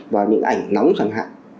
và những ảnh nóng chẳng hạn